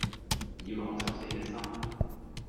耳王十四一心